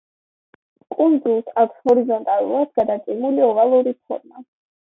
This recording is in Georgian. კუნძულს აქვს ჰორიზონტალურად გადაჭიმული ოვალური ფორმა.